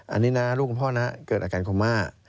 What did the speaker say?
อันนี้นะลูกของพ่อนะเกิดอาการโคม่า